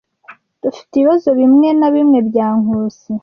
Dufite ibibazo bimwe na bimwe bya Nkusi.